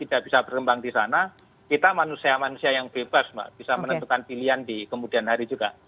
tidak bisa berkembang di sana kita manusia manusia yang bebas mbak bisa menentukan pilihan di kemudian hari juga